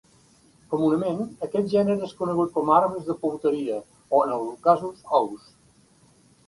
Comunament, aquest gènere és conegut com a arbres de Pouteria, o en alguns casos, ous.